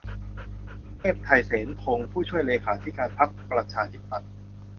เทพไท เสนพงศ์ ผู้ช่วยเลขาธิการพรรคประชาธิปัตย์